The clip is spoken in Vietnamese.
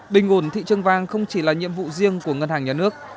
bình ổn thị trường vàng không chỉ là nhiệm vụ riêng của ngân hàng nhà nước